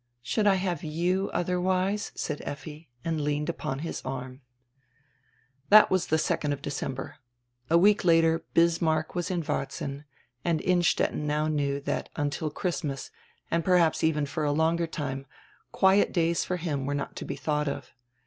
"Should I have you otherwise?" said Effi and leaned upon his arm. That was on die 2d of December. A week later Bismarck was in Varzin, and Innstetten now knew diat until Christ mas, and perhaps even for a longer time, quiet days for him were not to be thought of.